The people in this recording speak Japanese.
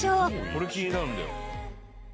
これ気になるんだよ。